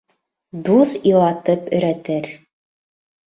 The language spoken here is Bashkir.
Дуҫ илатып өйрәтер